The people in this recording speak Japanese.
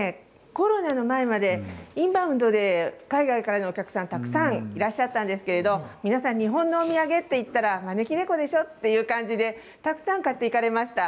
コロナの前までインバウンドで海外からのお客さん、たくさんいらっしゃったんですけれど皆さん、日本のお土産と言ったら招き猫でしょ、という感じでたくさん買って行かれました。